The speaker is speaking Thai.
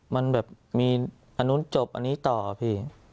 มันแบบมีอันนู้นจบอันนี้ต่อพี่